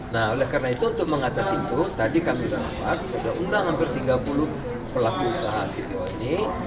nah oleh karena itu untuk mengatasimu tadi kami sudah nampak sudah undang hampir tiga puluh pelaku usaha cpo ini